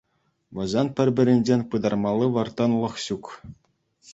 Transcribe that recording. Вӗсен пӗр-пӗринчен пытармалли вӑрттӑнлӑх ҫук.